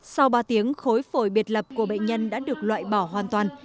sau ba tiếng khối phổi biệt lập của bệnh nhân đã được loại bỏ hoàn toàn